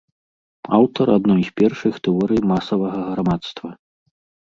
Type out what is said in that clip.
Аўтар адной з першых тэорый масавага грамадства.